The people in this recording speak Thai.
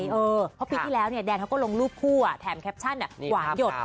เพราะปีที่แล้วเนี่ยแดนเขาก็ลงรูปคู่แถมแคปชั่นหวานหยด